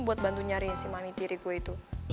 buat bantu nyariin si mami tiri gue itu